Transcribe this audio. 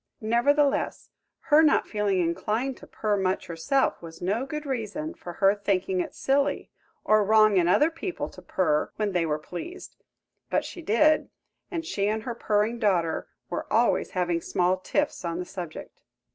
Nevertheless, her not feeling inclined to purr much herself was no good reason for her thinking it silly or wrong in other people to purr when they were pleased; but she did, and she and her purring daughter were always having small tiffs on the subject.